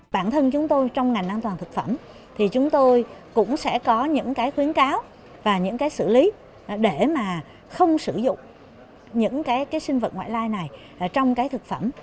bản thân chúng tôi trong ngành an toàn thực phẩm thì chúng tôi cũng sẽ có những cái khuyến cáo và những cái xử lý để mà không sử dụng những cái sinh vật ngoại lai này trong cái thực phẩm